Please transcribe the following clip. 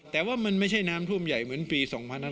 แต่ว่ามันไม่ใช่น้ำท่วมใหญ่เหมือนปี๒๕๕๙